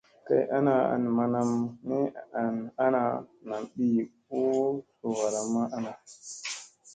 Kay ana an manam ni ana nam ɓii u suu varamma ana.